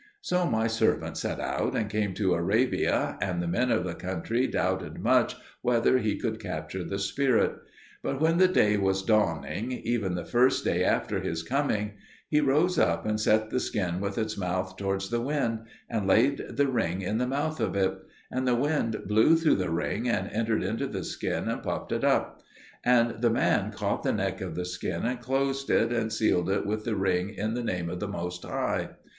So my servant set out and came to Arabia; and the men of the country doubted much whether he could capture the spirit. But when the day was dawning, even the first day after his coming, he rose up and set the skin with its mouth towards the wind, and laid the ring in the mouth of it; and the wind blew through the ring and entered into the skin and puffed it up. And the man caught the neck of the skin and closed it, and sealed it with the ring in the name of the Most High.